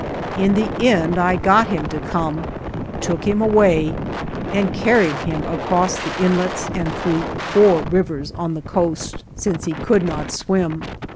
In the end I got him to come, took him away, and carried him across the inlets and through four rivers on the coast, 76 ALVAR NUNEZ CABEZA DE VACA since he could not swim.